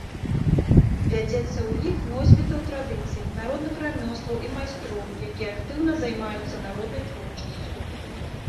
Вядзецца ўлік носьбітаў традыцый, народных рамёстваў і майстроў, якія актыўна займаюцца народнай творчасцю.